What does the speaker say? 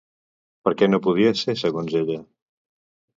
Per què no podia ser segons ella?